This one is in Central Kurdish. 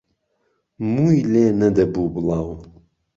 مووی لێ نهدهبوو بڵاو